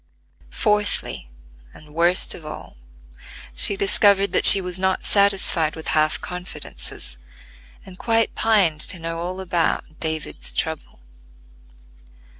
Fourthly, and worst of all, she discovered that she was not satisfied with half confidences, and quite pined to know all about "David's trouble."